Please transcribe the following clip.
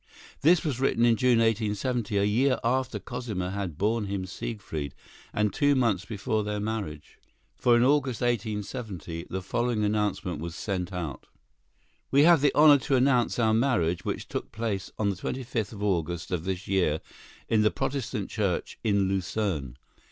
This was written in June, 1870, a year after Cosima had borne him Siegfried, and two months before their marriage. For in August, 1870, the following announcement was sent out: "We have the honor to announce our marriage, which took place on the 25th of August of this year in the Protestant Church in Lucerne.